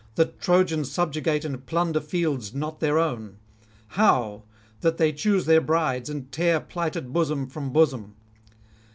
that Trojans subjugate and plunder fields not their own? how, that they choose their brides and tear plighted bosom from bosom?